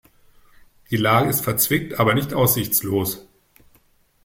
Die Lage ist verzwickt aber nicht aussichtslos.